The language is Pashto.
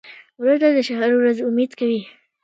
مړه ته د حشر د ورځې امید کوو